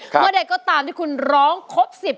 เมื่อเด็ดต้องตามที่คุณร้องครบ๑๐